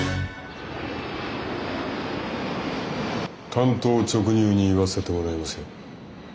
単刀直入に言わせてもらいますよ。